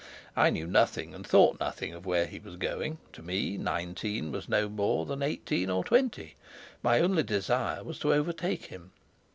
I knew nothing and thought nothing of where he was going; to me nineteen was no more than eighteen or twenty; my only desire was to overtake him.